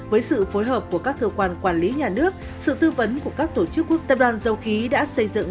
với sự phối hợp của các cơ quan quản lý nhà nước sự tư vấn của các tổ chức quốc tập đoàn dầu khí đã xây dựng